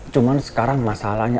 cuman sekarang masalahnya